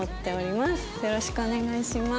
よろしくお願いします。